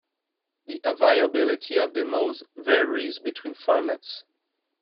The availability of demos varies between formats.